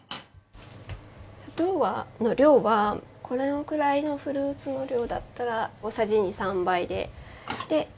砂糖の量はこれぐらいのフルーツの量だったら大さじ２３杯で。